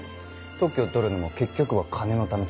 特許を取るのも結局は金のためっすよね。